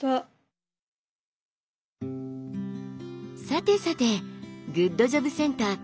さてさてグッドジョブセンター